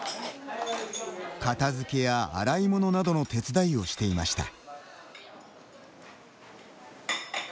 片づけや洗い物などの手伝いをしていました。